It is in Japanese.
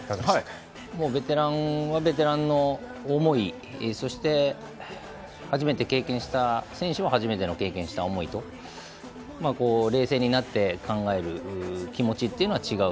ベテランはベテランの思いそして初めて経験した選手は初めての経験した思いと冷静になって考える気持ちというのは違う。